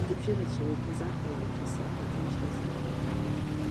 Шьҭыбжьы рацәала иҭәыз ақалақь иасааира аҭынчра азааиуан.